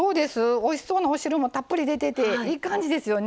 おいしそうなお汁もたっぷり出てていい感じですよね